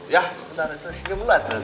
ya bentar atuh sini jempol atuh